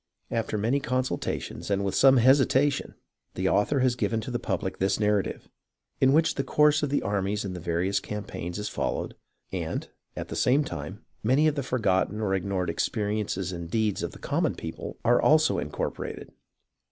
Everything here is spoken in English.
After many consultations, and with some hesitation, the author has given to the public this narrative, in which the course of the armies in the various campaigns is followed and, at the same time, many of the forgotten or ignored experiences and deeds of the common people are also incorporated.